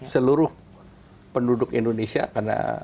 seluruh penduduk indonesia karena